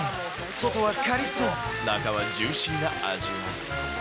外はかりっと、中はジューシーな味わい。